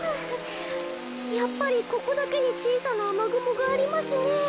やっぱりここだけにちいさなあまぐもがありますねえ。